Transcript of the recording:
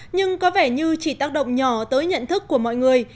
nhưng có vẻ như chỉ tác động nhỏ tới nhận thức của mọi người